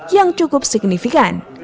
yang cukup signifikan